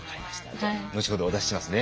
じゃあ後ほどお出ししますね。